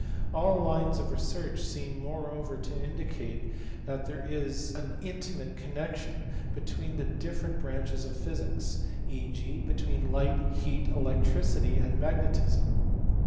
All lines of research seem moreover to indicate that there is an intimate connection be tween the different branches of physics, e.g. between light, heat, electricity, and magnetism.